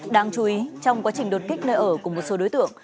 đáng chú ý trong quá trình đột kích nơi ở của một số đối tượng